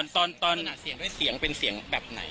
เสียงด้วยเสียงเป็นเสียงแบบไหน